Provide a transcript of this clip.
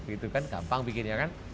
itu kan gampang bikinnya kan